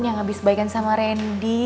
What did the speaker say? yang habis baikan sama randy